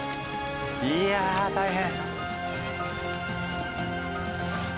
いや大変！